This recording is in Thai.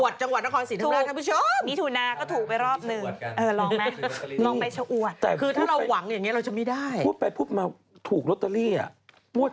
สองงวดแล้วครับตรงคสินมานท์ครับผู้ชม